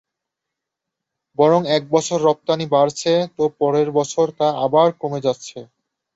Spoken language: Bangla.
বরং এক বছর রপ্তানি বাড়ছে তো পরের বছরই তা আবার কমে যাচ্ছে।